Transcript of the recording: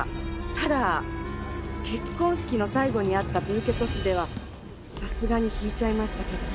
ただ結婚式の最後にあったブーケトスではさすがに引いちゃいましたけど。